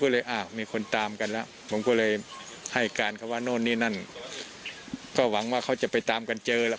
แล้วก็ฟังว่าเขาจะไปตามกันเจอแล้ว